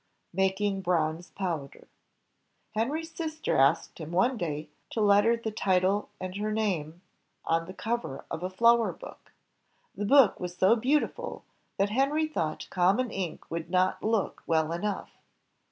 Making Bronze Powder Henry's sister asked him one day to letter the title and her name on the cover of a flower book. The book was so beautiful that Henry thought common ink would not look well enough.